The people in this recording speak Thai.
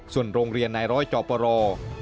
ส่วนโรงเรียนนายร้อยจอปร